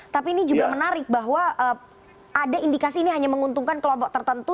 tapi ini juga menarik bahwa ada indikasi ini hanya menguntungkan kelompok tertentu